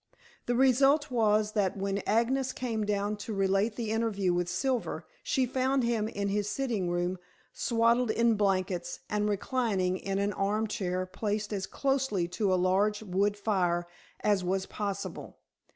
The result was that when Agnes came down to relate the interview with Silver, she found him in his sitting room swathed in blankets, and reclining in an arm chair placed as closely to a large wood fire as was possible.